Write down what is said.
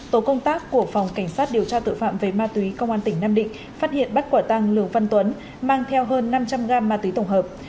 tổ công tác của phòng cảnh sát điều tra tội phạm về ma túy công an tỉnh nam định phát hiện bắt quả tăng lường văn tuấn mang theo hơn năm trăm linh g ma túy tổng hợp